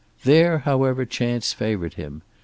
There, however, chance favored him.